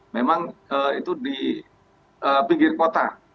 memang itu di pinggir kota